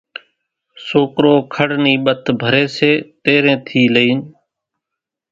سوڪرو کڙ نِي ٻٿ ڀري سي تيرين ٿي لئين،